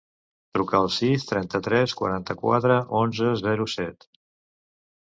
Truca al sis, trenta-tres, quaranta-quatre, onze, zero, set.